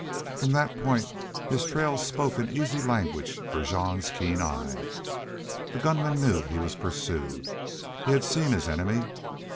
From that point his trail spoke an easy language for Jean's keen eye. The gunman knew he was pursued. He had seen his enemy.